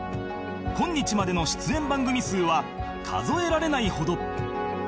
今日までの出演番組数は数えられないほど